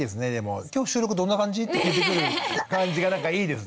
「今日収録どんな感じ？」って聞いてくる感じがなんかいいですね。